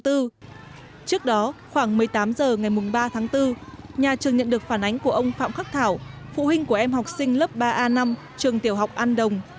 trước đó khoảng một mươi tám h ngày ba tháng bốn nhà trường nhận được phản ánh của ông phạm khắc thảo phụ huynh của em học sinh lớp ba a năm trường tiểu học an đồng